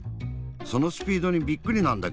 そのスピードにびっくりなんだけど。